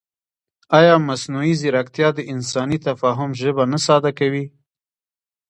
ایا مصنوعي ځیرکتیا د انساني تفاهم ژبه نه ساده کوي؟